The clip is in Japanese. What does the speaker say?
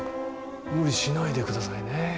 無理しないでくださいね。